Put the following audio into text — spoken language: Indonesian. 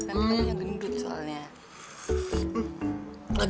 kan kita punya gendut soalnya